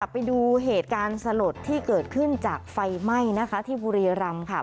ไปดูเหตุการณ์สลดที่เกิดขึ้นจากไฟแม่ที่บรียรำ